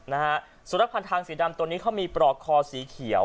สุนัขพันธ์ทางสีดำตัวนี้เขามีปลอกคอสีเขียว